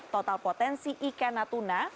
total potensi ikan natuna